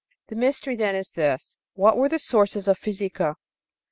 The mystery, then, is, what were the sources of Physica?